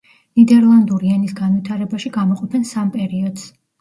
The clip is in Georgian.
ნიდერლანდური ენის განვითარებაში გამოყოფენ სამ პერიოდს.